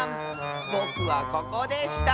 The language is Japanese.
ぼくはここでした！